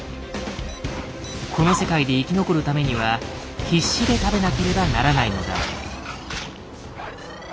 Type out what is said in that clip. この世界で生き残るためには必死で食べなければならないのだ。